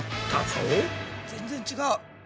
全然違う。